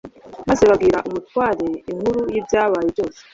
maze babwira umutware inkuru y'ibyabaye byose.